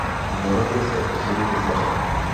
Narodil se jako syn tesaře.